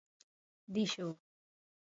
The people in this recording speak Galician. Díxoo.